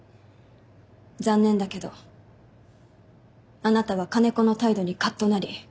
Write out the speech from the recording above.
残念だけどあなたは金子の態度にカッとなり。